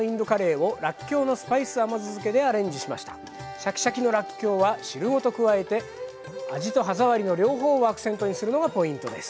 シャキシャキのらっきょうは汁ごと加えて味と歯触りの両方をアクセントにするのがポイントです。